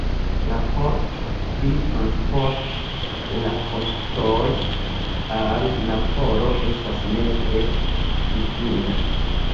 Raporto pri transporto de la ostoj al Napolo estas ne tre fidinda.